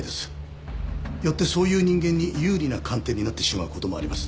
よってそういう人間に有利な鑑定になってしまう事もあります。